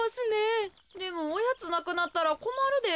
でもおやつなくなったらこまるで。